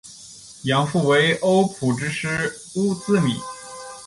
养父为欧普之狮乌兹米。